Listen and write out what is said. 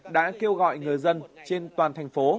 đã kêu gọi người dân trên toàn thành phố